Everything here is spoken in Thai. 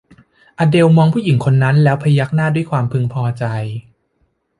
อเดลมองผู้หญิงคนนั้นแล้วพยักหน้าด้วยความพึงพอใจ